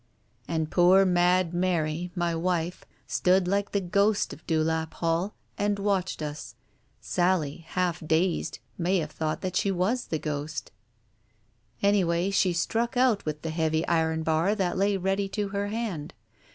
And poor mad Mary, my wife, stood like the ghost of Dewlap Hall, and watched us. Sally, half dazed, may have thought that she was the ghost. ... Anyway, she struck out with the heavy iron bar that lay ready to her hand.